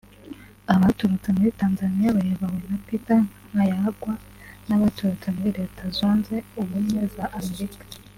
abaturutse muri Tanzania bayobowe na Peter Nkayagwa n’abaturutse muri Leta Zunze Ubumwe za Amerika